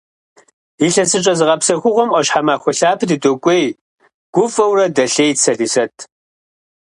Илъэсыщӏэ зыгъэпсэхугъуэм ӏуащхьэмахуэ лъапэ дыдокӏуей, - гуфӏэурэ дэлъейт Сэлисэт.